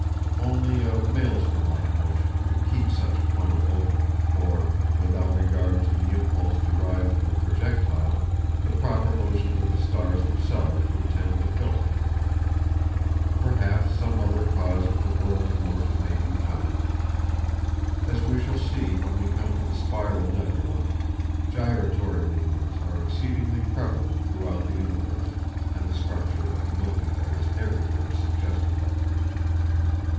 Only a maelstrom like motion could keep such a funnel open, for without regard to the impulse derived from the projectile, the proper motions of the stars themselves would tend to fill it. Perhaps some other cause of the whirling motion may be found. As we shall see when we come to the spiral nebulæ, gyratory movements are exceedingly prevalent throughout the universe, and the structure of the Milky Way is everywhere suggestive of them.